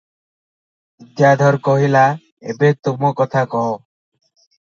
ବିଦ୍ୟାଧର କହିଲା, "ଏବେ ତୁମ କଥା କହ ।